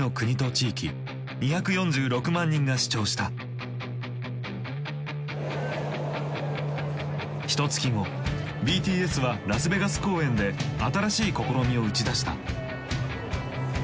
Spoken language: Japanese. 最終的にひとつき後ＢＴＳはラスベガス公演で新しい試みを打ち出した。